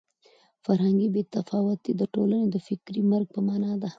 فرهنګي بې تفاوتي د ټولنې د فکري مرګ په مانا ده.